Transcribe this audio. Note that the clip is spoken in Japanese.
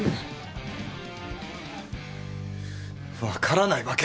分からない。